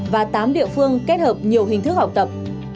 và tám địa phương kết hợp nhiều hình thức học tập